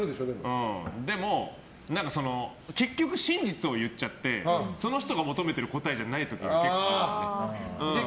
でも、結局真実を言っちゃってその人が求めてる答えじゃないとか結構あって。